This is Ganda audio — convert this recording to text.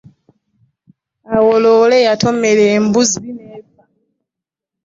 Owa loole yatomera embuzi n'efa.